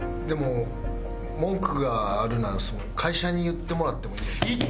でも文句があるなら会社に言ってもらってもいいですか？